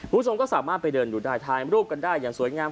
คุณผู้ชมก็สามารถไปเดินดูได้ถ่ายรูปกันได้อย่างสวยงาม